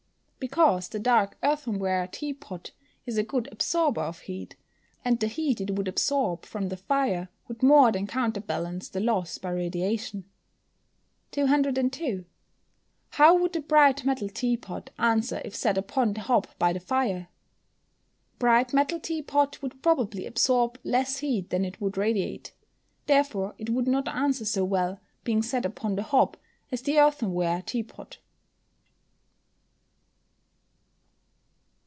_ Because the dark earthenware tea pot is a good absorber of heat, and the heat it would absorb from the fire would more than counterbalance the loss by radiation. 202. How would the bright metal tea pot answer if set upon the hob by the fire? The bright metal tea pot would probably absorb less heat than it would radiate. Therefore it would not answer so well, being set upon the hob, as the earthenware tea pot.